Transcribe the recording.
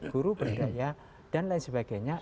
guru berdaya dan lain sebagainya